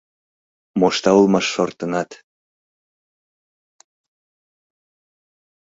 Мошта улмаш шортынат.